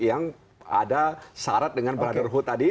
yang ada syarat dengan brotherhood